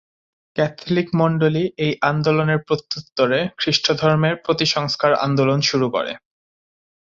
Catholic মণ্ডলী এই আন্দোলনের প্রত্যুত্তরে খ্রিস্টধর্মের প্রতি-সংস্কার-আন্দোলন শুরু করে।